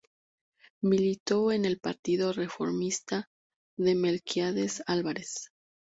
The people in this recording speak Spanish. Militó en el Partido Reformista de Melquiades Álvarez.